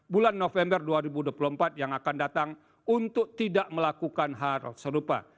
bulan november dua ribu dua puluh empat yang akan datang untuk tidak melakukan hal serupa